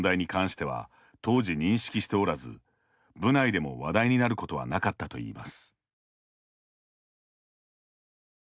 性加害の問題に関しては当時認識しておらず部内でも話題になることはなかったといいます。